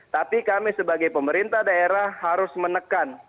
tapi kami sebagai pemerintah daerah harus menekan